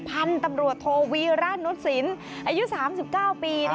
พันธุ์ตำรวจโทวีราชนุษศิลป์อายุ๓๙ปี